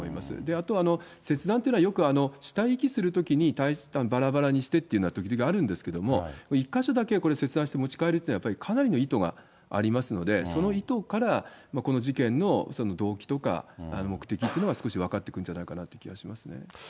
あと、切断というのは、死体遺棄するときに、ばらばらにしてっていうのは時々あるんですけれども、１か所だけこれ、切断して持ち帰るっていうのはやっぱり、かなりの意図がありますので、その意図からこの事件の動機とか目的っていうのが、少し分かってくるんじゃないかなという気がしますね。